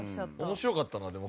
面白かったなでも。